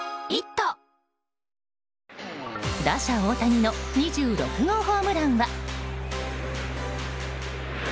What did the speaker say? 打者・大谷の２６号ホームランは。